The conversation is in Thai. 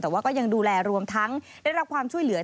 แต่ว่าก็ยังดูแลรวมทั้งได้รับความช่วยเหลือ